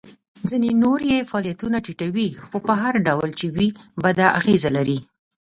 ځینې نور یې فعالیتونه ټیټوي خو په هر ډول چې وي بده اغیزه لري.